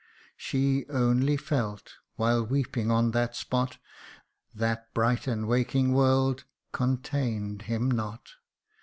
She only felt, while weeping on that spot, That bright and waking world contain'd him not